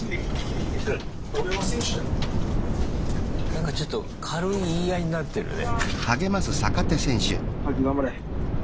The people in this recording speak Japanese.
なんかちょっと軽い言い合いになってるね。